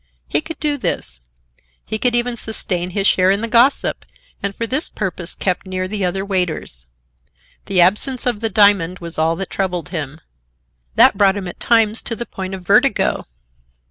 He could do this. He could even sustain his share in the gossip, and for this purpose kept near the other waiters. The absence of the diamond was all that troubled him. That brought him at times to the point of vertigo.